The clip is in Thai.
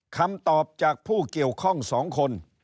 คำตอบจากผู้เกี่ยวข้อง๒คน